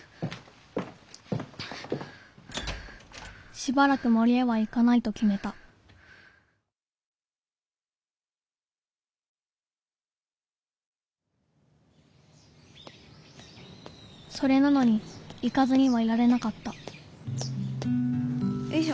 しばらくもりへは行かないときめたそれなのに行かずにはいられなかったよいしょ。